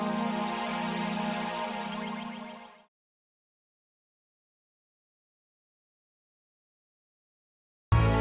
subscribe channel ini untuk dapat info terbaru